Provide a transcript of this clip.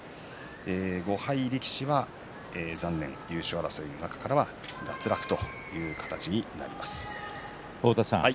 ５敗力士は優勝争いからは脱落という形になります。